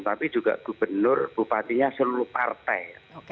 tapi juga gubernur bupatinya seluruh partai